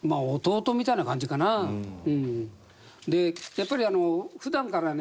やっぱり普段からね